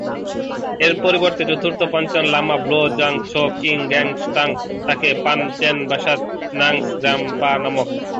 এর পরিবর্তে চতুর্থ পাঞ্চেন লামা ব্লো-ব্জাং-ছোস-ক্যি-র্গ্যাল-ম্ত্শান তাকে পান-ছেন-ব্সোদ-নাম্স-গ্রাগ্স-পা নামক পঞ্চদশ দ্গা'-ল্দান-খ্রি-পার অবতার রূপে চিহ্নিত করেন।